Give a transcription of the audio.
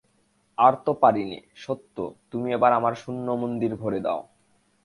আর তো পারি নে, সত্য, তুমি এবার আমার শূন্য মন্দির ভরে দাও।